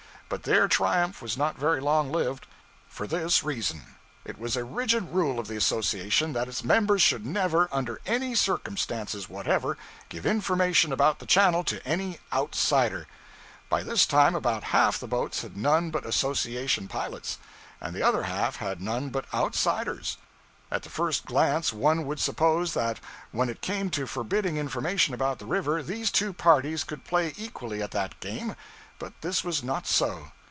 But their triumph was not very long lived. For this reason: It was a rigid rule of the association that its members should never, under any circumstances whatever, give information about the channel to any 'outsider.' By this time about half the boats had none but association pilots, and the other half had none but outsiders. At the first glance one would suppose that when it came to forbidding information about the river these two parties could play equally at that game; but this was not so.